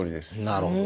なるほど。